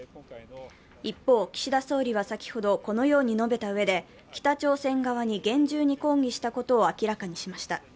一方、岸田総理は先ほどこのように述べたうえで、北朝鮮側に厳重に抗議したことを明らかにしました。